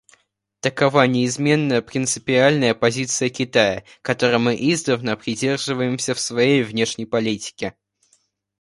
Такова неизменная, принципиальная позиция Китая, которой мы издавна придерживаемся в своей внешней политике.